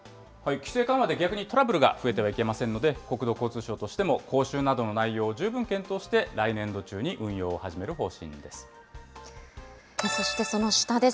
規制緩和で逆にトラブルが増えてはいけませんので、国土交通省としても講習などの内容を十分検討して、来年度中に運そしてその下です。